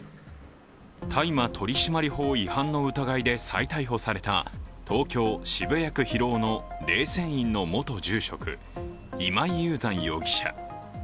大麻取締法違反の疑いで再逮捕された東京・渋谷区広尾の霊泉院の元住職、今井雄山容疑者。